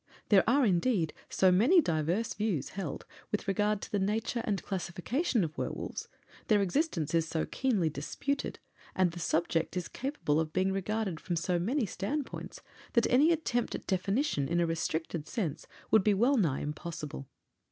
There are, indeed, so many diverse views held with regard to the nature and classification of werwolves, their existence is so keenly disputed, and the subject is capable of being regarded from so many standpoints, that any attempt at definition in a restricted sense would be well nigh impossible.